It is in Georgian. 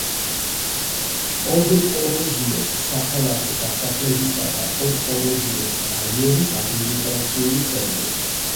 პოდპოროჟიეს საქალაქო დასახლებისა და პოდპოროჟიეს რაიონის ადმინისტრაციული ცენტრი.